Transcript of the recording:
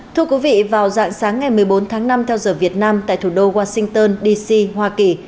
thưa quý vị vào dạng sáng ngày một mươi bốn tháng năm theo giờ việt nam tại thủ đô washington dc hoa kỳ